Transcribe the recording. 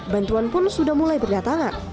bantuan pun sudah mulai berdatangan